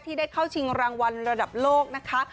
ได้เข้าชิงรางวัลระดับโลกนะคะ